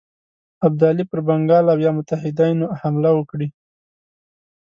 ابدالي پر بنګال او یا متحدینو حمله وکړي.